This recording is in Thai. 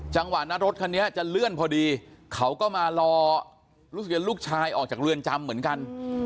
จังหวะนั้นรถคันนี้จะเลื่อนพอดีเขาก็มารอรู้สึกว่าลูกชายออกจากเรือนจำเหมือนกัน